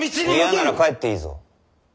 嫌なら帰っていいぞ。